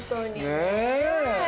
ねえ。